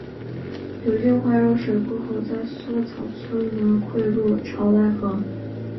流经怀柔水库后在梭草村南汇入潮白河。